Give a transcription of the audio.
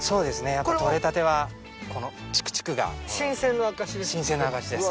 やっぱ採れたてはこのチクチクが新鮮な証しです。